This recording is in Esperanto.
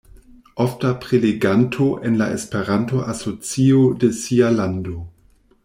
Ofta preleganto en la Esperanto-asocio de sia lando.